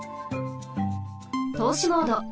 とうしモード。